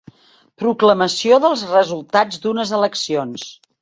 Proclamació dels resultats d'unes eleccions.